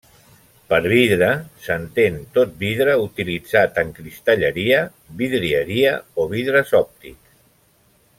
Per vidre, s'entén tot vidre utilitzat en cristalleria, vidrieria o vidres òptics.